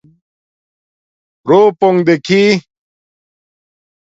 روپونک دیکھی